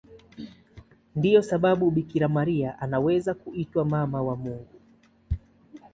Ndiyo sababu Bikira Maria anaweza kuitwa Mama wa Mungu.